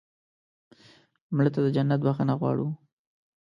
مړه ته د جنت بښنه غواړو